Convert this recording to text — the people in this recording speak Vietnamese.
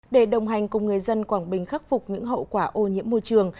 để đồng hành cùng người dân quảng bình khắc phục những hậu quả ô nhiễm môi trường